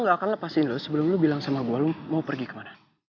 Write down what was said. gue nggak akan lepasin lo sebelum lo bilang sama gue lo mau pergi kemana